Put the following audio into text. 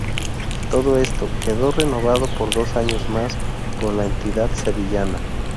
A todo esto, quedó renovado por dos años más, por la entidad sevillana.